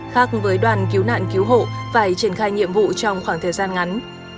khác với đoàn cứu nạn cứu hộ phải triển khai nhiệm vụ trong khoảng thời gian ngắn